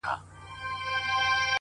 o گراني رڼا مه كوه مړ به مي كړې،